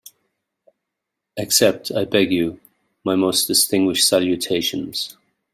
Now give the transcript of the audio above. Accept, I beg you, my most distinguished salutations.